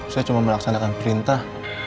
saya cuma melaksanakan perintah